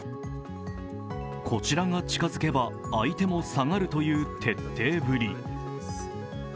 こちらが近づけば相手も下がるという徹底ぶり。